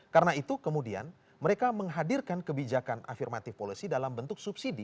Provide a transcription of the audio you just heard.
karena itu kemudian mereka menghadirkan kebijakan afirmatif polisi dalam bentuk subsidi delapan puluh dua puluh